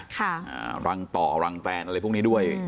ค่ะอ่ารังต่อรังแตนอะไรพวกนี้ด้วย